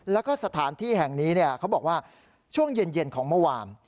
แล้วก็สถานที่แห่งนี้เขาบอกว่าช่วงเย็นของเมื่อวาน